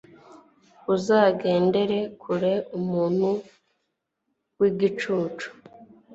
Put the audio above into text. uzagendere kure umuntu w'igicucu